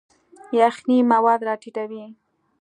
یخنۍ مواد راټیټوي.